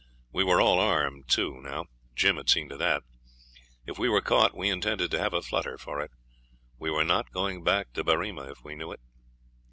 We were all armed, too, now. Jim had seen to that. If we were caught, we intended to have a flutter for it. We were not going back to Berrima if we knew it.